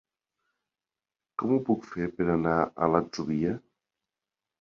Com ho puc fer per anar a l'Atzúbia?